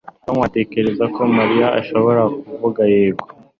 Tom atekereza ko Mariya ashobora kuvuga yego